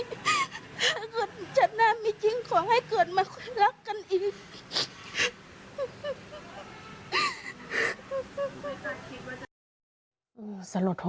จริงขอให้เกิดมาความรักกันอีก